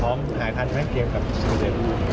พร้อมหายถัดมและเกม